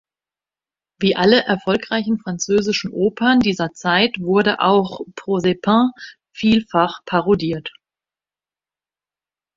Wie alle erfolgreichen französischen Opern dieser Zeit wurde auch "Proserpine" vielfach parodiert.